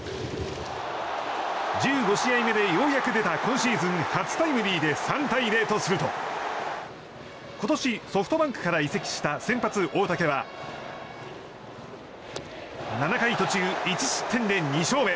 １５試合目でようやく出た今シーズン初タイムリーで３対０とすると今年ソフトバンクから移籍した先発、大竹は７回途中１失点で２勝目。